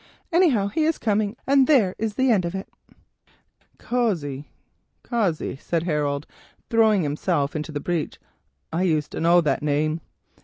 Anyhow, he is coming, and there is an end of it." "Cossey, Cossey," said Harold, throwing himself into the breach, "I used to know that name."